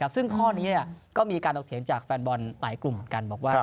ซึ่งข้อนี้ก็มีการถกเถียงจากแฟนบอลหลายกลุ่มเหมือนกันบอกว่า